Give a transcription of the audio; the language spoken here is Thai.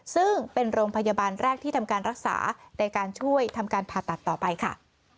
ซึ่งเป็นโรงพยาบาลแรกที่ทำการรักษาในการช่วยทำการผ่าตัดต่อไปค่ะ